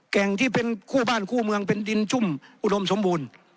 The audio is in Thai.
แก่งที่เป็นคู่บ้านคู่เมืองเป็นดินชุ่มอุดมสมบูรณ์